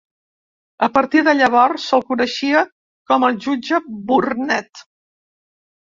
A partir de llavors se'l coneixia com el jutge Burnet.